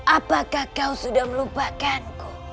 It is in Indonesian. apakah kau sudah melupakanku